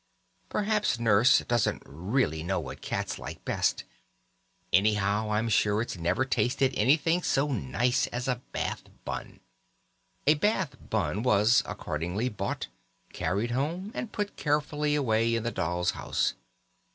Perhaps Nurse doesn't really know what cats like best. Anyhow, I'm sure it's never tasted anything so nice as a Bath bun." A Bath bun was accordingly bought, carried home, and put carefully away in the doll's house.